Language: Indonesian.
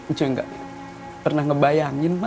ncuy gak pernah ngebayangin